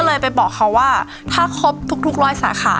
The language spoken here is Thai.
เลยไปบอกเขาว่าถ้าครบทุกร้อยสาขา